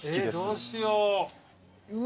どうしよううわ。